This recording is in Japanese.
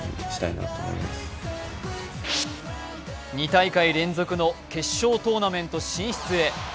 ２大会連続の決勝トーナメント進出へ。